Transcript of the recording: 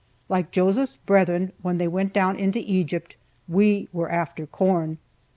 Like Joseph's brethren when they went down into Egypt, we were after corn.